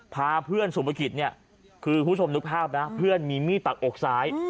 พาเพื่อนสุภกิจเนี่ยคือคุณผู้ชมนึกภาพนะเพื่อนมีมีดปักอกซ้าย